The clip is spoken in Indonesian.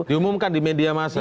diumumkan di media masa